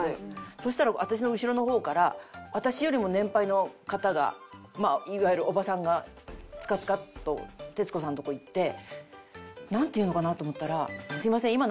そしたら私の後ろの方から私よりも年配の方がいわゆるおばさんがつかつかっと徹子さんのとこ行ってなんて言うのかなと思ったら。